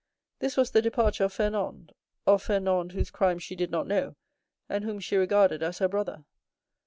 This was the departure of Fernand—of Fernand, whose crime she did not know, and whom she regarded as her brother.